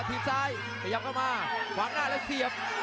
ทีบซ้ายขยับเข้ามาขวางหน้าแล้วเสียบ